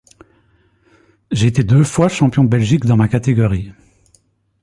J'ai été deux fois champion de Belgique dans ma catégorie.